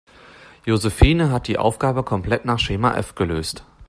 Josephine hat die Aufgabe komplett nach Schema F gelöst.